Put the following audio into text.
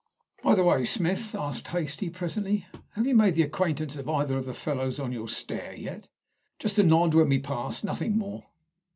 "By the way, Smith," asked Hastie, presently, "have you made the acquaintance of either of the fellows on your stair yet?" "Just a nod when we pass. Nothing more."